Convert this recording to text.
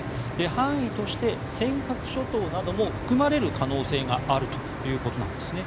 範囲として尖閣諸島なども含まれる可能性があるということなんですね。